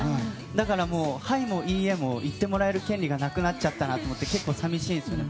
だから、はいもいいえも言ってもらえる権利がなくなっちゃったなと結構、寂しいですよね